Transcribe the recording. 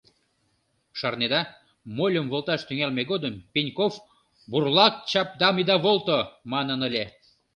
— Шарнеда, мольым волташ тӱҥалме годым Пеньков «Бурлак чапдам ида волто» манын ыле.